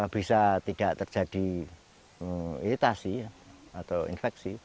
bisa tidak terjadi iritasi atau infeksi